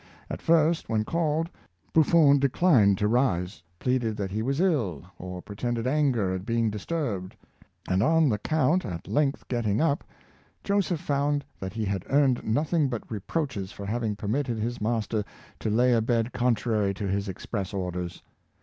At first, when called, Buffon declined to rise — pleaded that he was ill, or pretended anger at being disturbed; and on the Count at length getting up, Joseph found that he had earned nothing but reproaches for having permitted his master to lay abed contrary to his ex press orders.